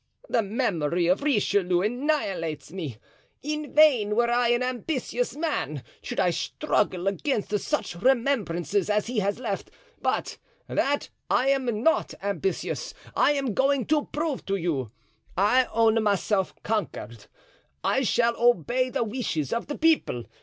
The memory of Richelieu annihilates me. In vain—were I an ambitious man—should I struggle against such remembrances as he has left; but that I am not ambitious I am going to prove to you. I own myself conquered. I shall obey the wishes of the people.